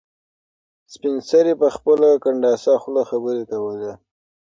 سپین سرې په خپله کنډاسه خوله خبرې کولې.